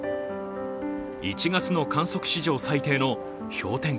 １月の観測史上最低の氷点下